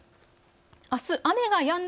あす雨がやんだ